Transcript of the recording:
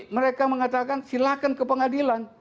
mereka mengatakan silahkan ke pengadilan